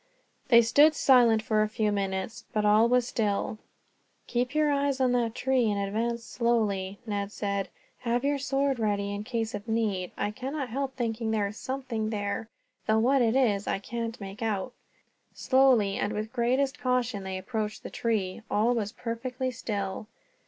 They stood silent for a few minutes, but all was still. "Keep your eyes on the tree and advance slowly," Ned said. "Have your sword ready in case of need. I cannot help thinking there is something there, though what it is I can't make out." Slowly, and with the greatest caution, they approached the tree. All was perfectly still.